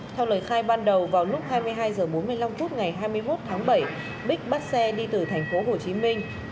theo lời khai ban đầu vào lúc hai mươi hai h bốn mươi năm phút ngày hai mươi một tháng bảy bích bắt xe đi từ thành phố hồ chí minh